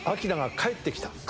帰ってきた？